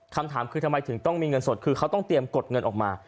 คำถามคือทำไมถึงต้องมีเงินสดคือเขาต้องเตรียมกดเงินออกมา